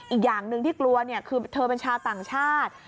อีกอย่างหนึ่งที่กลัวคือเธอเป็นชาวต่างชาติ